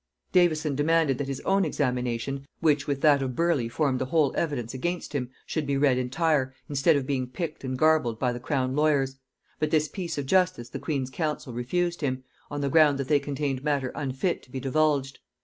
Davison demanded that his own examination, which with that of Burleigh formed the whole evidence against him, should be read entire, instead of being picked and garbled by the crown lawyers; but this piece of justice the queen's counsel refused him, on the ground that they contained matter unfit to be divulged.